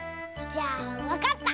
じゃあわかった！